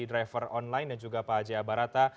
driver online dan juga pak jaya barata